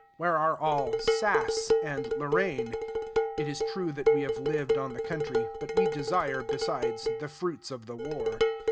Where are all "sass" and Lorraine? It is true that we have lived on the country; but we desire, besides, the fruits of the war.